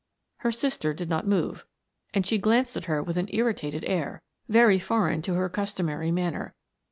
Her sister did not move, and she glanced at her with an irritated air, very foreign to her customary manner.